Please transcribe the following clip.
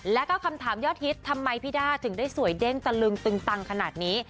แล้วก็คำถามยอดฮิตทำไมพี่ด้าถึงได้สวยเด้งตะลึงตึงตังขนาดนี้